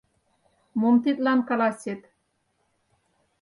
Мом тидлан каласет?